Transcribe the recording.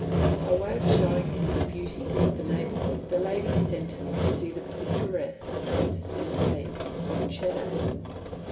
By way of showing him the beauties of the neighbourhood the ladies sent him to see the picturesque cliffs and caves of Cheddar.